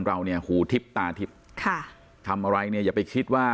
เราเนี่ยหูทิบตาทิพย์ค่ะทำอะไรเนี่ยอย่าไปคิดว่า